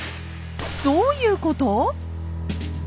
どういうこと⁉